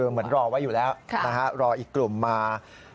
เหมือนรอไว้อยู่แล้วรออีกกลุ่มมา